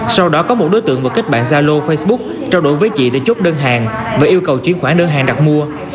sau đó có một đối tượng vừa kết bạn gia lô facebook trao đổi với chị để chốt đơn hàng và yêu cầu chuyển khoản đơn hàng đặt mua